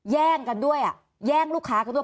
แย่งกันด้วยแย่งลูกค้ากันด้วย